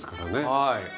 はい。